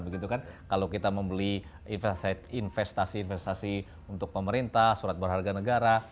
begitu kan kalau kita membeli investasi investasi untuk pemerintah surat berharga negara